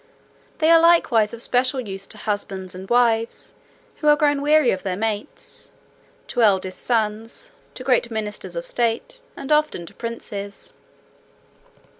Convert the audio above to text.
"They are likewise of special use to husbands and wives who are grown weary of their mates; to eldest sons, to great ministers of state, and often to princes."